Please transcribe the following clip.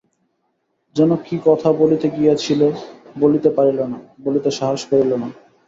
যেন কী কথা বলিতে গিয়াছিল, বলিতে পারিল না, বলিতে সাহস করিল না।